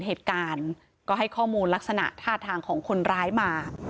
เหตุการณ์ก็ให้ข้อมูลลักษณะท่าทางของคนร้ายมา